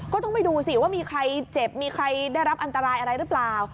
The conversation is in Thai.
ก็ต้องไปดูสิว่ามีใครเจ็บมีใครได้รับอันตรายอะไรหรือเปล่า